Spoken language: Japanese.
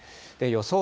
予想